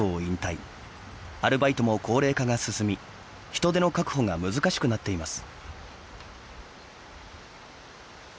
アルバイトも高齢化が進み人手の確保が難しくなっています。